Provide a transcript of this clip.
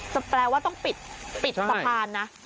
แปลว่าต้องปิดสะพานนะ